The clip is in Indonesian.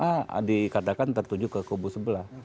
karena dikatakan tertuju ke kubu sebelah